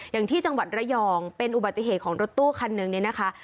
อย่างที่จังหวัดระยองเป็นอุบัติเหตุของรถตู้คันนึงเนี่ยนะคะ